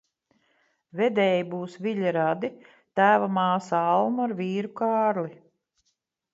Vedēji būs Viļa radi tēva māsa Alma ar vīru Kārli.